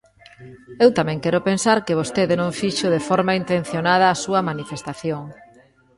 Eu tamén quero pensar que vostede non fixo de forma intencionada a súa manifestación.